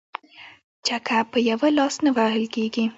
ـ چکه په يوه لاس نه وهل کيږي.